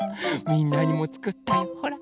みんなにもつくったよほら。